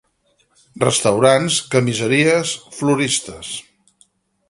Restaurants, camiseries, floristes.